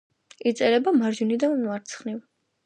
იწერება მარჯვნიდან მარცხნივ.